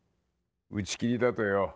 打ち切りだとよ。